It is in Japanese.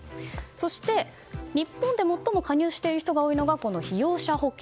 そして、日本で最も加入している人が多いのが被用者保険。